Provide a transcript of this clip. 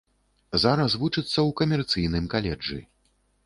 Зараз вучыцца ў камерцыйным каледжы.